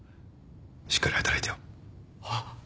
しっかり働いてよ。ははい！